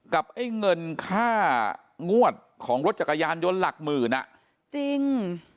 ไอ้เงินค่างวดของรถจักรยานยนต์หลักหมื่นอ่ะจริง